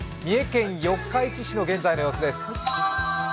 三重県四日市市の現在の様子です。